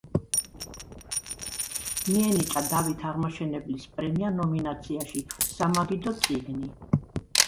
მიენიჭა დავით აღმაშენებლის პრემია ნომინაციაში „სამაგიდო წიგნი“.